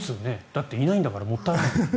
だって、いないんだからもったいない。